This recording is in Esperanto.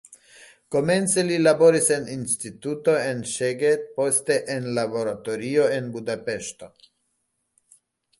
Komence li laboris en instituto en Szeged, poste en laboratorio en Budapeŝto.